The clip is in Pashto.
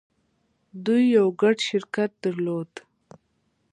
دوی يو ګډ شرکت درلود.